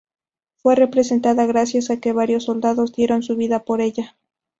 Fue representada gracias a que varios soldados dieron su vida por ella.